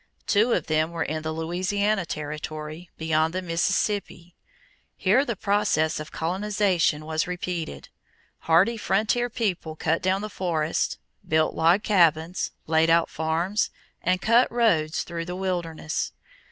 Two of them were in the Louisiana territory beyond the Mississippi. Here the process of colonization was repeated. Hardy frontier people cut down the forests, built log cabins, laid out farms, and cut roads through the wilderness.